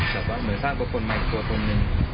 เหมือนสร้างตัวคนใหม่ตัวตนหนึ่ง